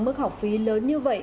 mức học phí lớn như vậy